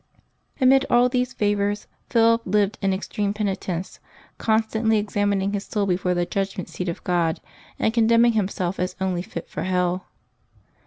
Amid all these favors Philip lived in extreme penitence, constantly examining his soul before the judgment seat of God, and condemning himself as only fit for hell.